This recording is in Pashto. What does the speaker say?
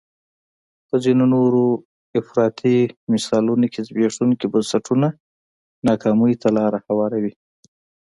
په ځینو نورو افراطي مثالونو کې زبېښونکي بنسټونه ناکامۍ ته لار هواروي.